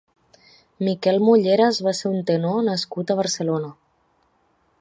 Miquel Mulleras va ser un tenor nascut a Barcelona.